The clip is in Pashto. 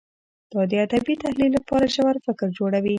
دا د ادبي تحلیل لپاره ژور فکر جوړوي.